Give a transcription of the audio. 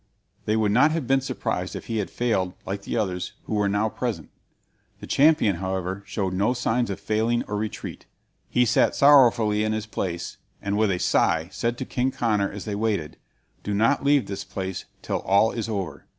They would not have been surprised if he had failed like the others, who now were present. The champion, however, showed no signs of failing or retreat. He sat sorrowfully in his place, and with a sigh said to King Conor as they waited: "Do not leave this place till all is over.